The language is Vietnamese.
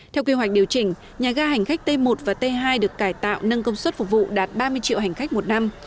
theo quy hoạch điều chỉnh nhà ga hành khách t một và t hai được cải tạo nâng công suất phục vụ đạt ba mươi triệu hành khách một năm